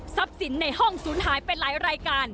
สินในห้องสูญหายไปหลายรายการ